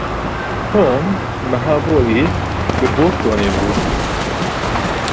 Tom meha borî li Bostonê bû.